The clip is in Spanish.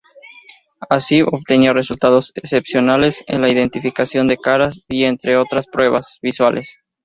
Así, obtenía resultados excepcionales en la identificación de caras, entre otras pruebas visuales.